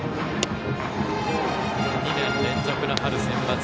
２年連続の春センバツ。